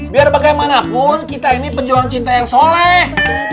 biar bagaimanapun kita ini pejuang cinta yang soleh